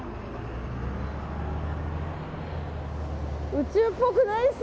宇宙っぽくないです。